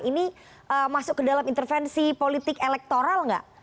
ini masuk ke dalam intervensi politik elektoral nggak